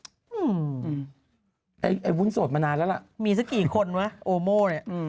อืมไอ้ไอ้วุ้นโสดมานานแล้วล่ะมีสักกี่คนวะโอโม่เนี้ยอืม